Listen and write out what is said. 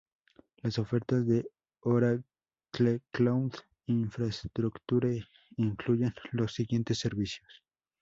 Las ofertas de Oracle Cloud Infrastructure incluyen los siguientes servicios.